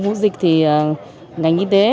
nếu dịch thì ngành y tế